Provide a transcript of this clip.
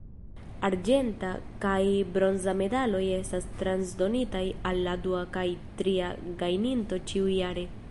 Arĝenta kaj bronza medaloj estas transdonitaj al la dua kaj tria gajninto ĉiujare.